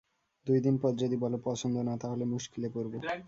দুই দিন পর যদি বল পছন্দ না, তাহলে মুশকিলে পড়ব।